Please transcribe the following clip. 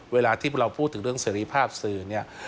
เวลาที่เราพูดถึงเรื่องเสรีภาพสื่อเนี่ย